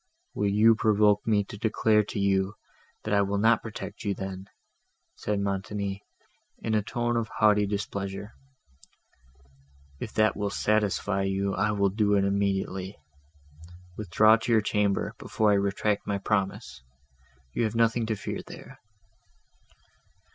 "Will you provoke me to declare to you, that I will not protect you then?" said Montoni, in a tone of haughty displeasure. "If that will satisfy you, I will do it immediately. Withdraw to your chamber, before I retract my promise; you have nothing to fear there."